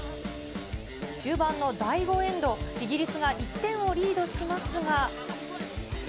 中盤の第５エンド、イギリスが１点をリードしますが。